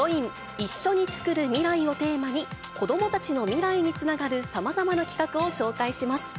いっしょにつくる、ミライをテーマに、子どもたちの未来につながるさまざまな企画を紹介します。